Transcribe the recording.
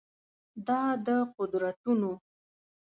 دا د قدرتونو